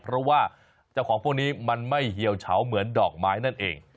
เพราะว่าเจ้าของพวกนี้มันไม่เหี่ยวเฉาเหมือนดอกไม้นั่นเอง